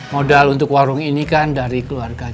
modal untuk warung ini kan dari keluarga